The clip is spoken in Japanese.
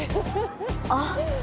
あっ。